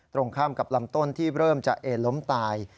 ตรงข้ามกับลำต้นที่เริ่มจะเอ็นล้มตาย